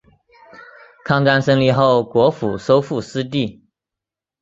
抗战胜利后国府收复失地。